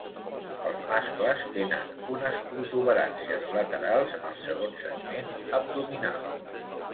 Els mascles tenen unes protuberàncies laterals en el segon segment abdominal.